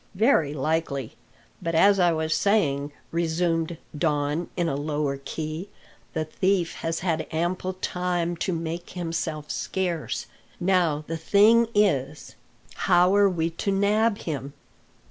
"Very likely; but as I was saying," resumed Don, in a lower key, "the thief has had ample time to make himself scarce. Now the thing is how are we to nab him?"